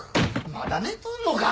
まだ寝とんのか！？